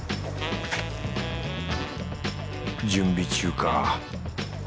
準備中か。